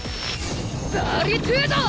バーリトゥード！